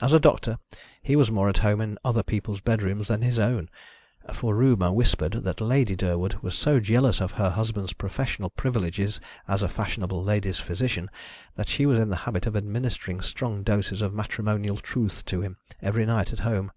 As a doctor he was more at home in other people's bedrooms than his own, for rumour whispered that Lady Durwood was so jealous of her husband's professional privileges as a fashionable ladies' physician that she was in the habit of administering strong doses of matrimonial truths to him every night at home.